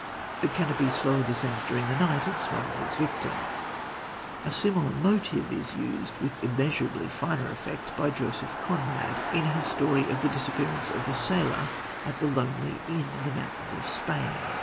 The canopy slowly descends during the night, and smothers its victim. A similar motive is used, with immeasurably finer effect, by Joseph Conrad in his story of the disappearance of the sailor at the lonely inn in the mountains of Spain.